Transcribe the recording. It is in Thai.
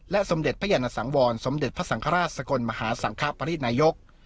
สมเด็จพระยานสังวรสมเด็จพระสังฆราชสกลมหาสังคปรินายก